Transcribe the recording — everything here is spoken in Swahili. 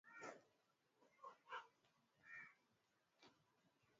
wanasiasa na ummafilamu Maadui Umma alizaliwa mwaka elfu mbili na tisa Billi Krudap